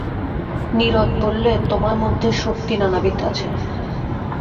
নীরদ বললে, তোমার মধ্যে শক্তি নানাবিধ আছে।